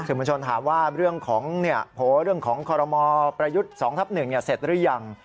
สินบัญชนถามว่าเรื่องของกรมอประยุทธ์๒ทับ๑เสร็จหรือยัง